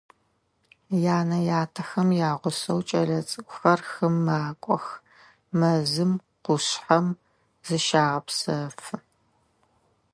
Янэ-ятэхэм ягъусэу кӏэлэцӏыкӏухэр хым макӏох, мэзым, къушъхьэм зыщагъэпсэфы.